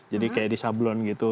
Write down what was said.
jadi kayak di sablon gitu